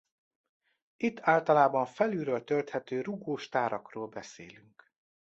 Itt általában felülről tölthető rugós tárakról beszélünk.